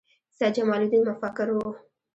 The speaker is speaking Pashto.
سید جمال الدین مفکر و